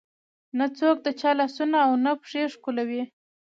نه څوک د چا لاسونه او نه پښې ښکلوي.